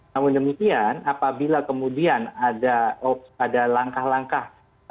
namun demikian apabila kemudian ada langkah langkah